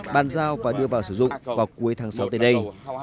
bàn giao và đưa vào sử dụng vào cuối tháng sáu tới đây